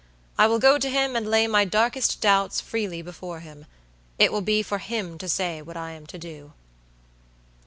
I will go to him and lay my darkest doubts freely before him. It will be for him to say what I am to do."